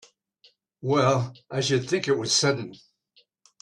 Well I should think it was sudden!